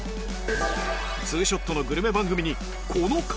ツーショットのグルメ番組にこのカメラ台数